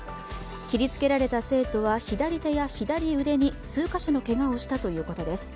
切りつけられた生徒は左手や左腕に数か所のけがをしたということです。